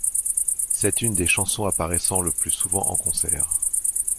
C'est une des chansons apparaissant le plus souvent en concerts.